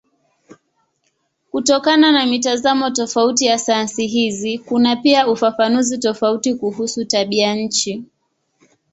Kutokana na mitazamo tofauti ya sayansi hizi kuna pia ufafanuzi tofauti kuhusu tabianchi.